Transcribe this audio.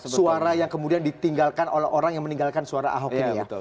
suara yang kemudian ditinggalkan oleh orang yang meninggalkan suara ahok ini ya